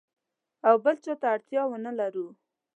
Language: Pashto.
او بل چاته اړتیا ونه لرو.